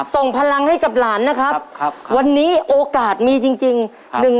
ส่งพลังให้กับหลานนะครับวันนี้โอกาสมีจริง